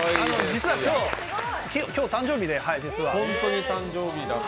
実は今日誕生日で。